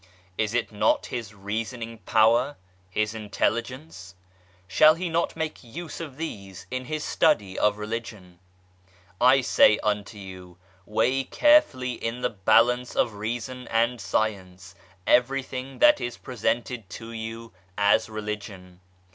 Is it not his reasoning power, his intelligence ? Shall he not make use of these in his study of Religion ? I say unto you : weigh carefully in the balance of Reason and Science everything that is presented to you as Religion.